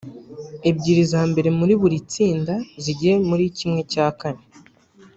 ebyiri za mbere muri buri tsinda zijye muri ¼